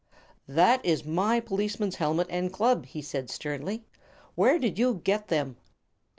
"That is my policeman's helmet and club," he said sternly. "Where did you get them?"